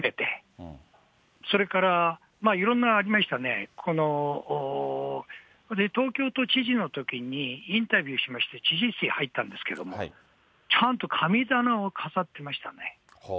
それからいろんなありましたね、東京都知事のときにインタビューしまして、知事室に入ったんですけど、ちゃんと神棚を飾ってましたね。